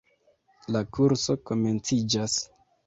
La kurso komenciĝas.